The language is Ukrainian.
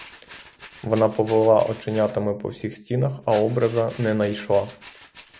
Вона повела оченятами по всіх стінах, а образа не найшла.